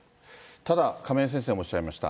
ただ亀井先生もおっしゃいました。